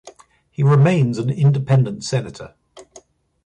He remains an independent senator.